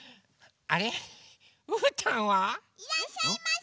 ・いらっしゃいませ！